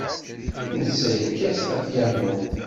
Netta yekkat apyanu.